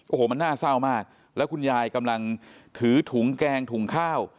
โอ้โหมันน่าเศร้ามากแล้วคุณยายกำลังถือถุงแกงถุงข้าว